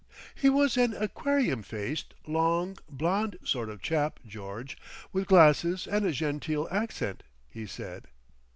"He was an aquarium faced, long, blond sort of chap, George, with glasses and a genteel accent," he said.